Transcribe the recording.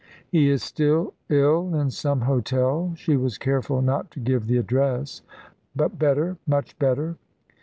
"He is still ill in some hotel" she was careful not to give the address "but better, much better.